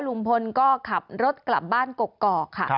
ลุงพลก็ขับรถกลับบ้านกกอกค่ะ